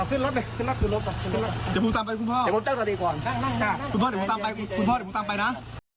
ผมไปด้วยผมไม่ไม่ไม่